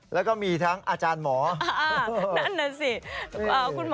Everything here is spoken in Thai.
แล้วก็มีทั้งอาจารย์หมอนั่นน่ะสิคุณหมอ